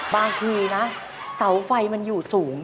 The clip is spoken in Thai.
บางทีนะเสาไฟมันอยู่สูง